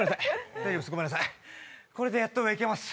これでやっと上行けます